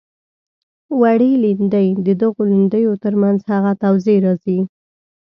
وړې لیندۍ د دغو لیندیو تر منځ هغه توضیح راځي.